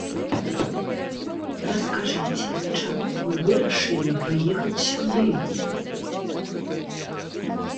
Раскажыце, чаму вы вырашылі прыехаць сюды?